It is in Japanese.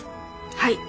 はい。